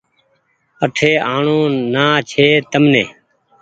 آٺي آڻو نا ڇي تمني